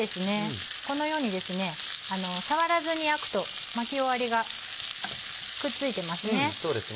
このようにですね触らずに焼くと巻き終わりがくっついてますね。